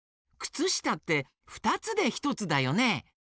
くつしたってふたつでひとつだよね。